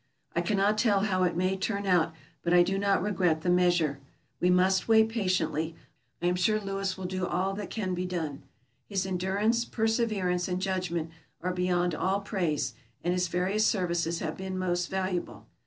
I cannot tell how it may turn out, but I do not regret the measure. We must wait patiently, I am sure Lewis will do all that can be done. His endurance, perseverance, and judgment are beyond all praise, and his various services have been most valuable.